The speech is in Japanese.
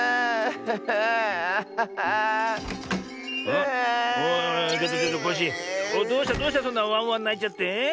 おいおいコッシーどうしたどうしたそんなワンワンないちゃって？